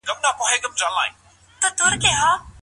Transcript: پوهانو ولي فقر ته پام وکړ؟